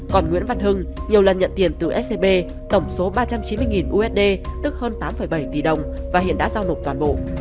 còn nguyễn văn hưng nhiều lần nhận tiền từ scb tổng số ba trăm chín mươi usd tức hơn tám bảy tỷ đồng và hiện đã giao nộp toàn bộ